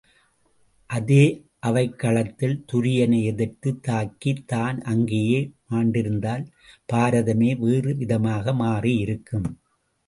அதே அவைக்களத்தில் துரியனை எதிர்த்துத் தாக்கித் தான் அங்கேயே மாண்டிருந்தால் பாரதமே வேறு விதமாக மாறி இருக்கும்.